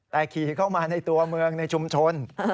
แต่ขี่เข้ามาในตัวเมืองในชุมชน